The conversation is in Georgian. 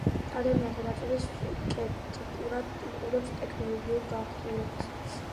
ადამიანთა ნაწილი სკეპტიკურად უყურებს ტექნოლოგიების გააქტიურებას